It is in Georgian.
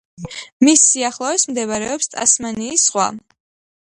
მის სიახლოვეს მდებარეობს ტასმანიის ზღვა.